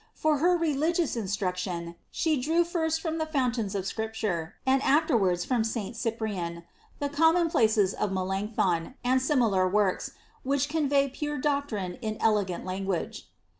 For her religious inatme tion, she drew firat from the fountains of Scripture, and afterwards from St Cyprian, the ^ Commonplaces' of Melancthon, and similar works, which convey pure doctrine in elegant language.